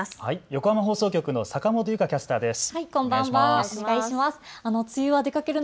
横浜放送局の坂本有花キャスターです。